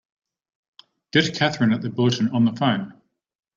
Get Katherine at the Bulletin on the phone!